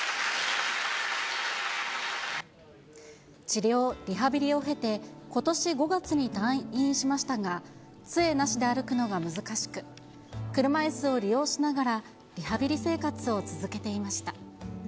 治療、リハビリを経て、ことし５月に退院しましたが、つえなしで歩くのが難しく、車いすを利用しながら、リハビリ生活を続けていました。